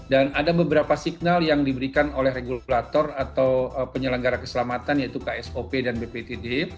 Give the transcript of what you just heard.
dan ada beberapa signal yang diberikan oleh regulator atau penyelenggara keselamatan yaitu ksop dan bptd